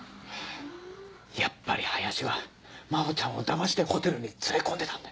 やっぱり林は真帆ちゃんをだましてホテルに連れ込んでたんだ。